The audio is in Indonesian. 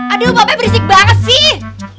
aduh bapak berisik banget sih